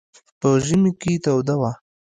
په ژمي کې توده وه.